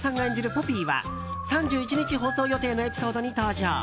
ポピーは３１日放送予定のエピソードに登場！